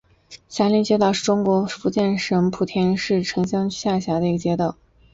霞林街道是中国福建省莆田市城厢区下辖的一个街道。